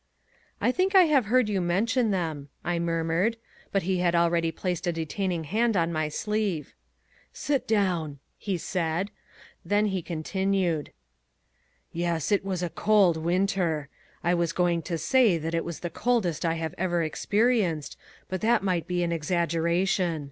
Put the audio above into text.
"I think I have heard you mention them," I murmured, but he had already placed a detaining hand on my sleeve. "Sit down," he said. Then he continued: "Yes, it was a cold winter. I was going to say that it was the coldest I have ever experienced, but that might be an exaggeration.